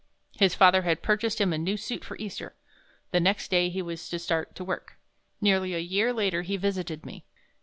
His father had purchased him a new suit for Easter. The next day he was to start to work. Nearly a year later he visited me.